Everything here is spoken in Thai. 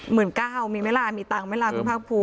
หมื่นเก้ามีเมลามีตังค์เมลามีภาคภูมิ